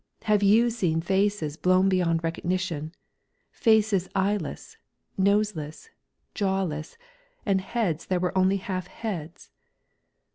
Have you seen faces blown beyond recognition faces eyeless, noseless, jawless, and heads that were only half heads?